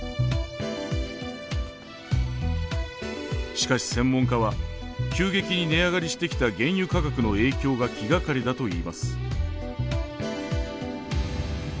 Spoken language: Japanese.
しかし専門家は急激に値上がりしてきた原油価格の影響が気がかりだと言います。